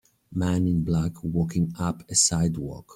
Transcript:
man in black walking up a sidewalk.